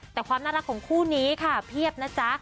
แต่ความน่ารักของคู่นี้ค่ะเพียบนะจ๊ะ